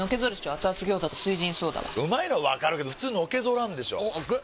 アツアツ餃子と「翠ジンソーダ」はうまいのはわかるけどフツーのけぞらんでしょアツ！